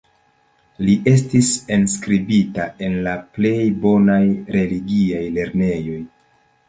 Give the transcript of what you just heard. Li estis enskribita en la plej bonaj religiaj lernejoj.